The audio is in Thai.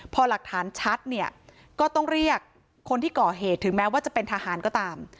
พอหลักฐานชัดเนี่ยก็ต้องเรียกคนที่ก่อเหตุถึงแม้ว่าจะเป็นทหารก็ตาม